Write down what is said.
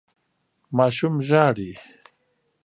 ماشوم ژاړي.